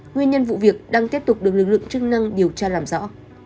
nguyên nhân vụ việc đang tiếp tục được lực lượng chức năng điều tra làm rõ